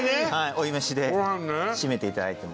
追い飯で締めていただいても。